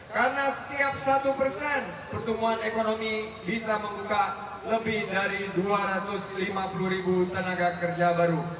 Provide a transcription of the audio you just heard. karena setiap satu persen pertumbuhan ekonomi bisa membuka lebih dari dua ratus lima puluh ribu tenaga kerja baru